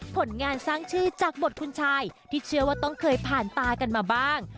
ผลงานสร้างชื่อจากบทคุณชายที่เชื่อว่าต้องเคยผ่านตากันมาบ้าง